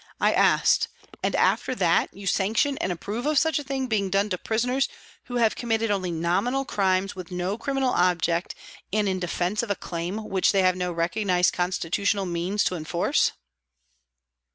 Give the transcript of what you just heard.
I asked, " And after that you sanction and approve of such a thing being done to prisoners who have committed only nominal crimes with no criminal object and in defence of a claim which they have no recognised constitutional means to enforce